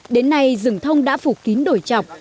đến nay rừng thông đã phủ kín đổi chọc